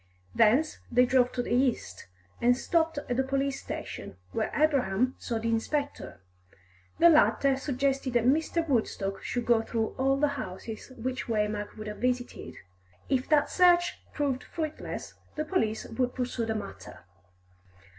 Thence they drove to the east, and stopped at a police station, where Abraham saw the inspector. The latter suggested that Mr. Woodstock should go through all the houses which Waymark would have visited; if that search proved fruitless, the police would pursue the matter.